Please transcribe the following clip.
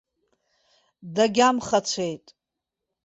Дагьамхацәеит.